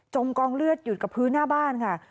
กองเลือดอยู่กับพื้นหน้าบ้านค่ะ